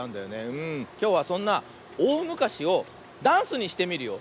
きょうはそんな「おおむかし」をダンスにしてみるよ。